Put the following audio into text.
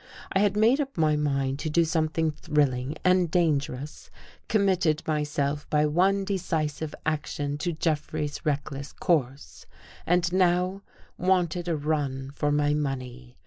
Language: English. I had made up my mind to something thrilling and dangerous, committed myself by one decisive action to Jeffrey's reckless course, and now wanted a run for my money.